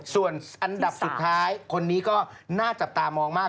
ส่วนอันดับสุดท้ายคนนี้ก็น่าจับตามองมาก